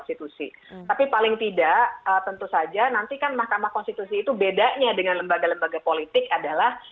tapi paling tidak tentu saja nanti kan mahkamah konstitusi itu bedanya dengan lembaga lembaga politik adalah